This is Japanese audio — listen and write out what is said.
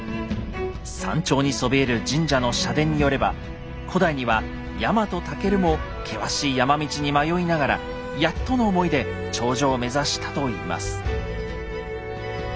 山頂にそびえる神社の社伝によれば古代にはヤマトタケルも険しい山道に迷いながらやっとの思いで頂上を目指したといいます。